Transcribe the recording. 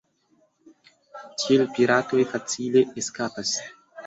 Tiel piratoj facile eskapas.